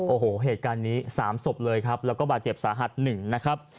โอ้โหเหตุการณ์นี้๓ศพเลยครับแล้วก็บาดเจ็บสาหัส๑นะครับ